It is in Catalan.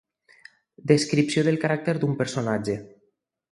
Descripció del caràcter d'un personatge.